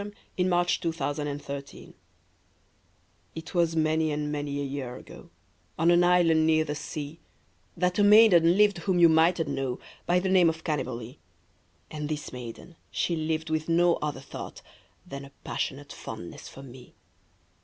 V^ Unknown, } 632 Parody A POE 'EM OF PASSION It was many and many a year ago, On an island near the sea, That a maiden lived whom you migbtnH know By the name of Cannibalee; And this maiden she lived with no other thought Than a passionate fondness for me.